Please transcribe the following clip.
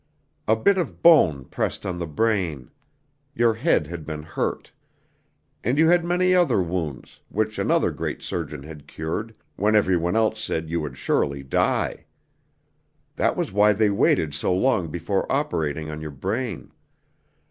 A bit of bone pressed on the brain. Your head had been hurt. And you had many other wounds, which another great surgeon had cured, when every one else said you would surely die. That was why they waited so long before operating on your brain.